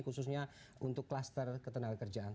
khususnya untuk kluster ketenaga kerjaan